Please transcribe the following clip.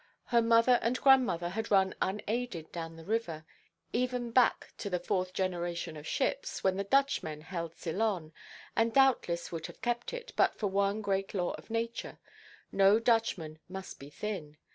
Her mother and grandmother had run unaided down the river; even back to the fourth generation of ships, when the Dutchmen held Ceylon, and doubtless would have kept it, but for one great law of nature: no Dutchman must be thin.